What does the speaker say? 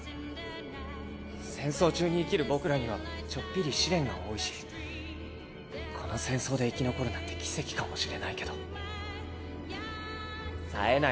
戦争中に生きる僕らにはちょっぴり試練が多いしこの戦争で生き残るなんて奇跡かもしれないけどさえない